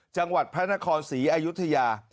จังหวัดพระนครศรีอายุทยา